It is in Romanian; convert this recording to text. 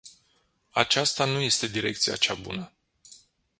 Aceasta nu este direcția cea bună.